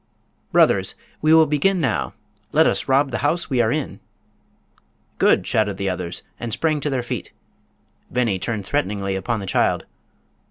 "Brothers! we will begin now. Let us rob the house we are in." "Good!" shouted the others and sprang to their feet. Beni turned threateningly upon the child.